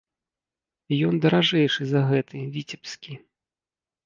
Ён даражэйшы за гэты, віцебскі.